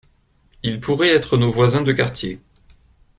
Ils pourraient être nos voisins de quartier.